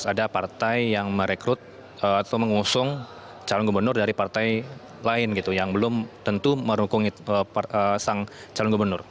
ada partai yang merekrut atau mengusung calon gubernur dari partai lain gitu yang belum tentu merukung sang calon gubernur